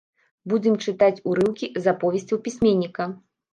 Будзем чытаць урыўкі з аповесцяў пісьменніка.